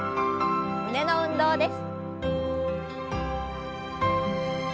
胸の運動です。